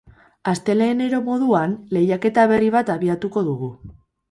Astelehenero moduan, lehiaketa berri bat abiatuko dugu.